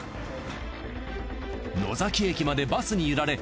野崎駅までバスに揺られ